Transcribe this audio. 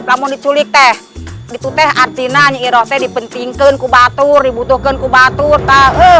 kamu diculik teh itu teh artinanya irotek dipentingkan kubatur dibutuhkan kubatur tahu